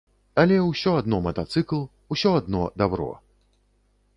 Але, усё адно матацыкл, усё адно дабро.